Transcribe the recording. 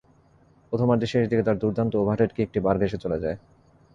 প্রথমার্ধের শেষ দিকে তাঁর দুর্দান্ত ওভারহেড কিকটি বার ঘেঁষে চলে যায়।